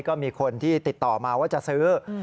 ก็มีคนที่ติดต่อมาว่าจะซื้อ